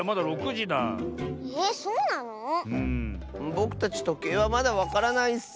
ぼくたちとけいはまだわからないッス！